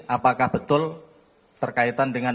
apakah betul terkaitan dengan